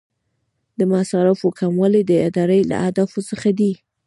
د مصارفو کموالی د ادارې له اهدافو څخه دی.